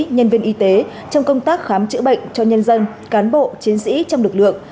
nhân viên y tế trong công tác khám chữa bệnh cho nhân dân cán bộ chiến sĩ trong lực lượng